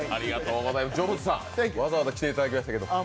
ジョブズさん、わざわざ来ていただきました。